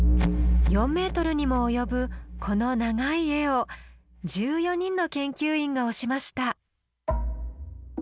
４メートルにも及ぶこの長い絵を１４人の研究員が推しました。